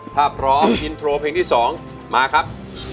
ถ้าพร้อมอินโทรเพลงที่๒มาครับ